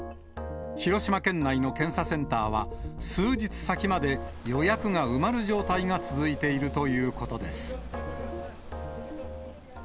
広島県内の検査センターは、数日先まで予約が埋まる状態が続いているということです。